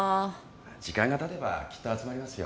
時間がたてばきっと集まりますよ。